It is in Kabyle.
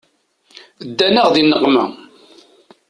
Ddan-aɣ di nneqma.